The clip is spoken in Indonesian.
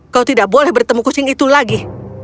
kau tidak boleh bertemu kucing itu lagi